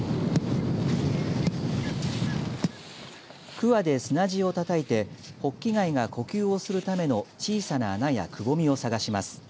くわで砂地をたたいてホッキ貝が呼吸をするための小さな穴やくぼみを探します。